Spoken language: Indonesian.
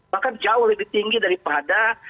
bahkan jauh lebih tinggi daripada